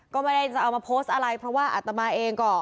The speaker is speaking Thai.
ก็ไม่ได้จะเอามาโพสต์อะไรเพราะว่าอัตมาเองก็